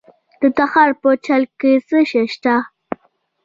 د تخار په چال کې څه شی شته؟